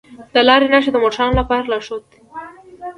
د لارې نښه د موټروانو لپاره لارښود ده.